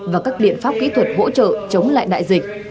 và các biện pháp kỹ thuật hỗ trợ chống lại đại dịch